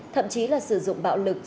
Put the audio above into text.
thậm chí là sử dụng bạo lực